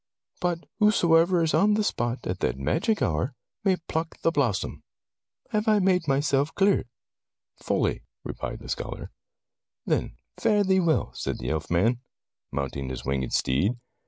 But whosoe'er is on the spot at that magic hour, may pluck the blossom. Have I made myself clear ?" ''Fully," replied the scholar. "Then fare thee well," said the elfman, mounting his winged steed.